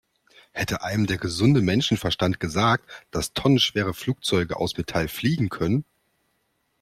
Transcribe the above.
Hätte einem der gesunde Menschenverstand gesagt, dass tonnenschwere Flugzeuge aus Metall fliegen können?